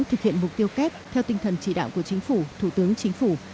thực hiện mục tiêu kép theo tinh thần chỉ đạo của chính phủ thủ tướng chính phủ